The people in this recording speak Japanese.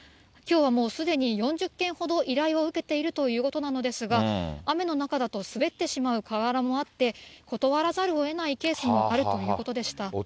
きょうはもうすでに４０件ほど依頼を受けているということなのですが、雨の中だと滑ってしまう瓦もあって、断らざるをえないケースもあるということでした。